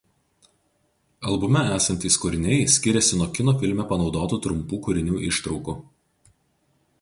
Albume esantys kūriniai skiriasi nuo kino filme panaudotų trumpų kūrinių ištraukų.